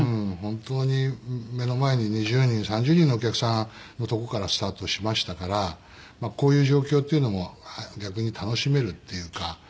本当に目の前に２０人３０人のお客さんのとこからスタートしましたからこういう状況っていうのも逆に楽しめるっていうか。